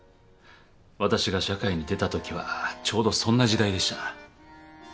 私が社会に出たときはちょうどそんな時代でした。